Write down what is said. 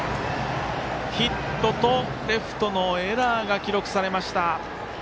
ヒットとレフトのエラーが記録されました。